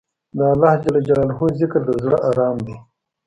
د الله ذکر، د زړه ارام دی.